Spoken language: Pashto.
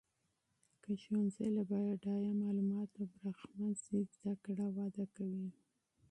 که ښوونځۍ له بډایه معلوماتو برخمن سي، زده کړه وده کوي.